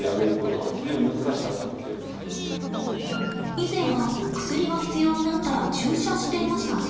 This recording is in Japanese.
以前は薬が必要になったら注射していました。